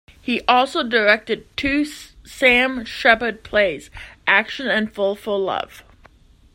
He also directed two Sam Shepherd plays, Action and Fool for Love.